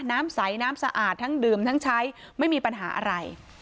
น้ำใสน้ำสะอาดทั้งดื่มทั้งใช้ไม่มีปัญหาอะไร